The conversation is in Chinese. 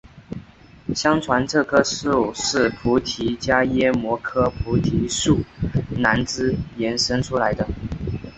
相传这棵树是菩提伽耶摩诃菩提树南枝衍生出来的。